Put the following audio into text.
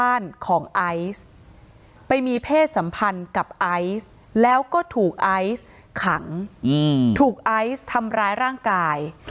ไอซทำร้ายร่างกาย